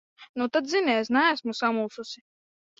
Nu tad zini: es neesmu samulsusi.